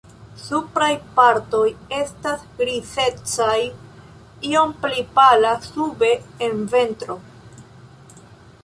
Supraj partoj estas grizecaj, iom pli pala sube en ventro.